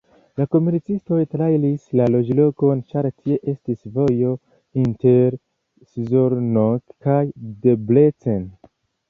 La komercistoj trairis la loĝlokon, ĉar tie estis vojo inter Szolnok kaj Debrecen.